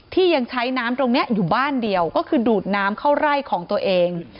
ที่ยังใช้น้ำตรงนี้อยู่บ้านเดียวก็คือดูดน้ำเข้าไร่ของตัวเอง